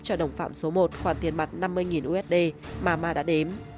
cho đồng phạm số một khoảng tiền mặt năm mươi usd mà ma đã đếm